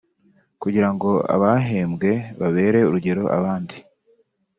kugira ngo abahembwe babere urugero abandi